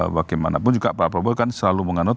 wagaimanapun juga pak prabowo kan selalu mengandung